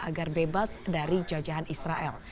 agar bebas dari jajahan israel